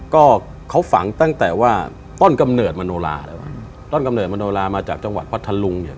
ก็เขาฝังตั้งแต่ว่าต้นกำเนิดมโนลาแล้วต้นกำเนิดมโนลามาจากจังหวัดพัทธลุงเนี่ย